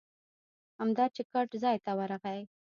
همدا چې ګټ ځای ته ورغی.